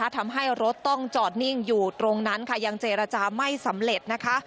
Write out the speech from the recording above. ทำให้รถต้องจอดนิ่งอยู่ตรงนั้นค่ะยังเจรจาไม่สำเร็จนะคะ